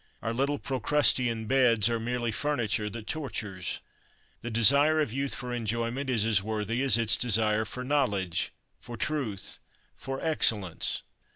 Our little Procrustean beds are merely furniture that tortures. The desire of youth for enjoyment is as worthy as its desire for knowledge, for truth, for excellence.